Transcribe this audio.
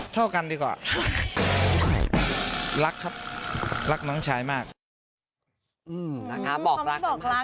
แต่ถ้ากว่างกว่าเราลองฝากใครกันดีกว่าครับ